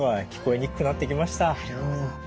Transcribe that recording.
なるほど。